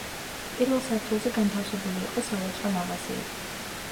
პირველ სართულზე განთავსებული იყო სავაჭრო მაღაზიები.